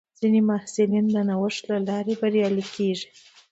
ځینې محصلین د نوښت له لارې بریالي کېږي.